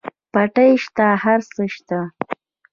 پټی شته هر څه شته.